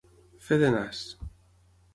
Fer de nas.